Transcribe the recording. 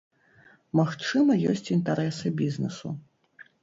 Магчыма, ёсць інтарэсы бізнэсу.